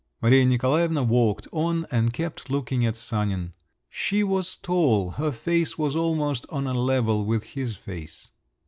Maria Nikolaevna walked on, and kept looking at Sanin. She was tall—her face was almost on a level with his face.